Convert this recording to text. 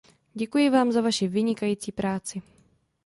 Děkuji vám za vaši vynikající práci.